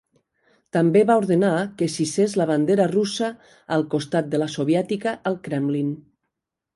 També va ordenar que s'hissés la bandera russa al costat de la soviètica al Kremlin.